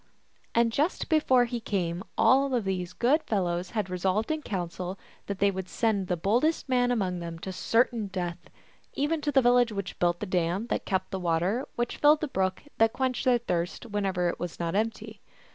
And just before he came all of these good fellows had resolved in council that they would send the bold est man among them to certain death, even to the vil lage which built the dam that kept the water which filled the brook that quenched their thirst, whenever it was not empty.